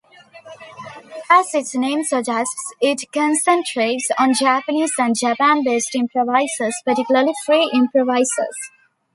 As its name suggests, it concentrates on Japanese and Japan-based improvisers, particularly free improvisers.